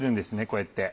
こうやって。